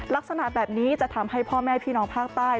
ลักษณะแบบนี้จะทำให้พ่อแม่พี่น้องภาคใต้